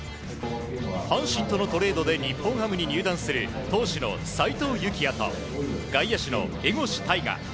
阪神とのトレードで日本ハムに入団する投手の齋藤友貴哉と外野手の江越大賀。